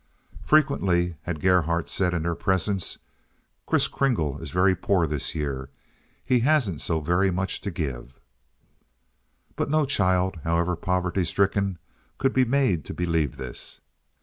Frequently had Gerhardt said in their presence: "Kriss Kringle is very poor this year. He hasn't so very much to give." But no child, however poverty stricken, could be made to believe this.